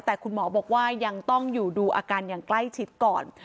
แต่คุณหมอบอกว่ายังต้องอยู่ดูอาการอย่างใกล้ชิดก่อน